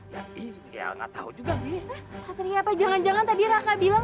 ya nggak tahu juga sih satri apa jangan jangan tadi raka bilang